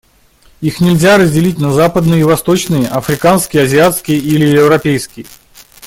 Их нельзя разделить на западные и восточные, африканские, азиатские или европейские.